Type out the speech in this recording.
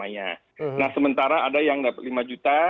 nah sementara ada yang dapat lima juta